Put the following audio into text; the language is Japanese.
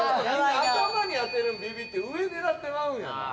頭に当てるのビビって上狙ってまうんやな。